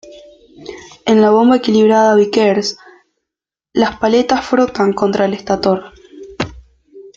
En la bomba equilibrada Vickers, las paletas frotan contra el estátor.